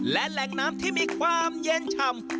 และแหล่งน้ำที่มีความเย็นฉ่ำ